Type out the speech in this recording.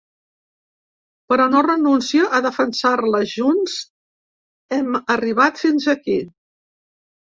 Però no renuncia a defensar-la: Junts hem arribat fins aquí.